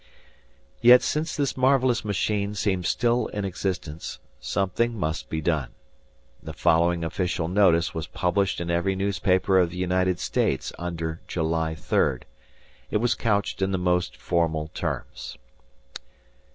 Yet since this marvelous machine seemed still in existence, something must be done. The following official notice was published in every newspaper of the United States under July 3d. It was couched in the most formal terms.